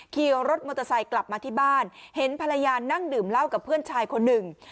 ขี่รถมอเตอร์ไซค์กลับมาที่บ้านเห็นภรรยานั่งดื่มเหล้ากับเพื่อนชายคนหนึ่ง